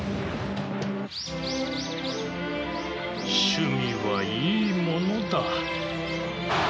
趣味はいいものだ。